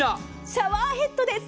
シャワーヘッドです。